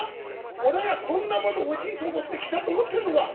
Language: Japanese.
おらがこんなもの欲しいと思って来たと思ってんのか！